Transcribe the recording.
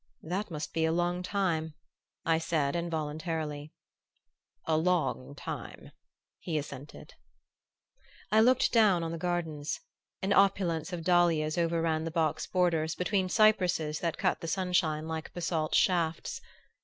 "That must be a long time," I said involuntarily. "A long time," he assented. I looked down on the gardens. An opulence of dahlias overran the box borders, between cypresses that cut the sunshine like basalt shafts.